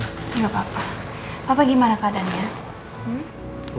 gak papa papa gimana keadanya